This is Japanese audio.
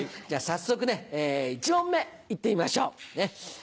じゃ早速１問目行ってみましょう。